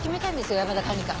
小山田管理官。